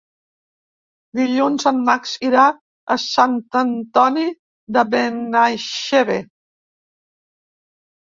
Dilluns en Max irà a Sant Antoni de Benaixeve.